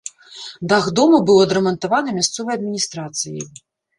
Дах дома быў адрамантаваны мясцовай адміністрацыяй.